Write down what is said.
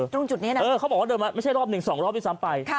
ตรงจุดนี้นะเออเขาบอกว่าเดินมาไม่ใช่รอบ๑๒รอบที่ซ้ำไป